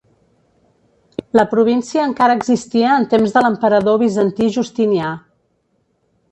La província encara existia en temps de l'emperador bizantí Justinià.